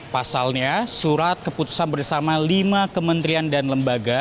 pasalnya surat keputusan bersama lima kementerian dan lembaga